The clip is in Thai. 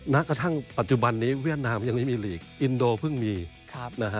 ณกระทั่งปัจจุบันนี้เวียดนามยังไม่มีลีกอินโดเพิ่งมีนะฮะ